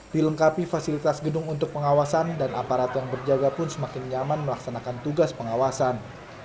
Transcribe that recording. dilengkapi fasilitas gedung untuk pengawasan dan aparat yang berjaga pun semakin nyaman melaksanakan tugas pengawasan